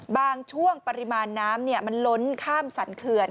บางช่วงปริมาณน้ำมันล้นข้ามสรรเขื่อน